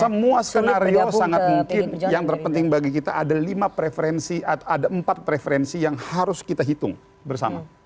semua skenario sangat mungkin yang terpenting bagi kita ada lima preferensi atau ada empat preferensi yang harus kita hitung bersama